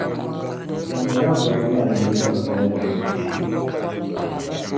Di nyɛla bol'ŋmɛri yili din mali dahimbu sheei.